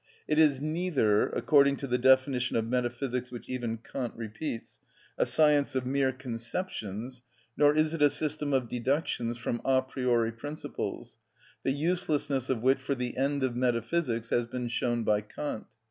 It is neither, according to the definition of metaphysics which even Kant repeats, a science of mere conceptions, nor is it a system of deductions from a priori principles, the uselessness of which for the end of metaphysics has been shown by Kant.